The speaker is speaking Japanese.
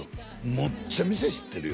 むっちゃ店知ってるよ